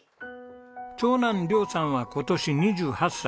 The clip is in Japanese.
長男陵さんは今年２８歳。